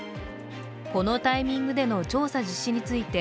このタイミングでの調査実施について